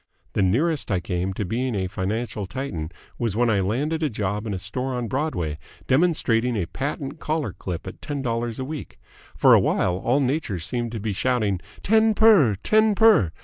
The nearest I came to being a financial Titan was when I landed a job in a store on Broadway, demonstrating a patent collar clip at ten dollars a week. For awhile all Nature seemed to be shouting 'Ten per! Ten per!'